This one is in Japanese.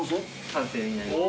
完成になります。